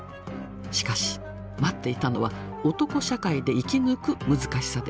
しかし待っていたのは男社会で生き抜く難しさでした。